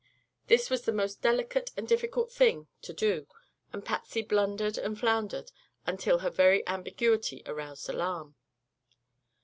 This was a most delicate and difficult thing to do and Patsy blundered and floundered until her very ambiguity aroused alarm.